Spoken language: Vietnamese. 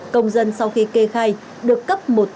công dân sau khi kê khai được cấp một